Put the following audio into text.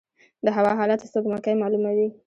د هوا حالات سپوږمکۍ معلوموي